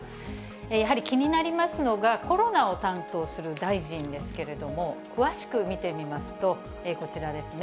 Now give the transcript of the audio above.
やはり気になりますのが、コロナを担当する大臣ですけれども、詳しく見てみますと、こちらですね。